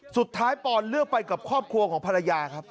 ปอนเลือกไปกับครอบครัวของภรรยาครับ